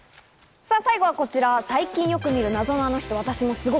最後はこちら、最近よく見る謎のあの人。